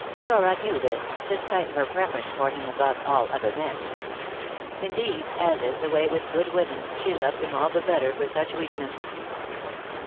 Dora knew this, despite her preference for him above all other men. Indeed, as is the way with good women, she loved him all the better for such weakness.